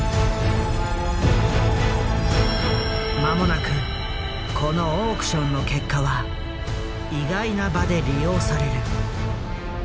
間もなくこのオークションの結果は意外な場で利用される。